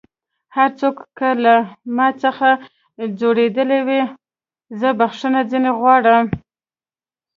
هر څوک که له ما څخه ځؤرېدلی وي زه بخښنه ځينې غواړم